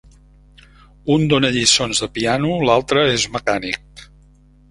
Un dóna lliçons de piano, l'altre és mecànic.